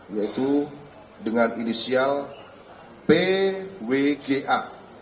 yaitu dengan inisial pwga